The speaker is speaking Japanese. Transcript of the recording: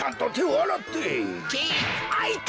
あっいた！